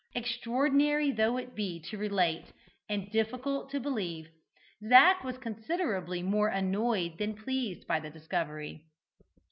Extraordinary though it be to relate, and difficult to believe, Zac was considerably more annoyed than pleased by the discovery.